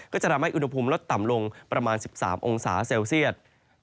ก็จะทำให้อุณหภูมิลดต่ำลงประมาณ๑๓องศาเซลเซียต